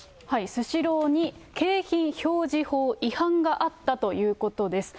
スシローに景品表示法違反があったということです。